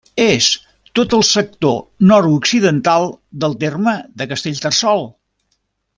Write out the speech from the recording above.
És tot el sector nord-occidental del terme de Castellterçol.